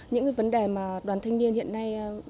những vấn đề mà đoàn thanh niên hiện nay